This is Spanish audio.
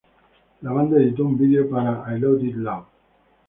La banda editó un video para "I Love It Loud".